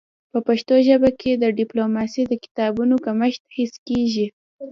په پښتو ژبه کي د ډيپلوماسی د کتابونو کمښت حس کيږي.